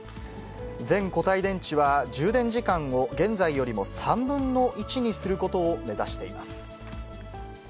全固体電池は充電時間を現在よりも３分の１にすることを目指しています。